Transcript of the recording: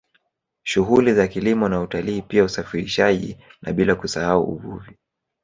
Shughuli za kilimo na utalii pia usafirishaji na bila kusahau uvuvi